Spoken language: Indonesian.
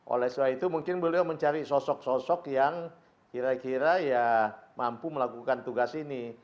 oleh sebab itu mungkin beliau mencari sosok sosok yang kira kira ya mampu melakukan tugas ini